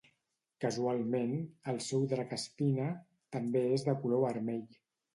Casualment, el seu drac Espina, també és de color vermell.